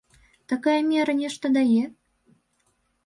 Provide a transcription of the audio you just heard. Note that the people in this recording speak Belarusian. Такая мера нешта дае?